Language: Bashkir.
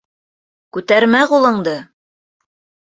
Күтәрмә ҡулыңды!